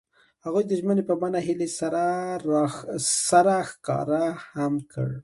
هغوی د ژمنې په بڼه هیلې سره ښکاره هم کړه.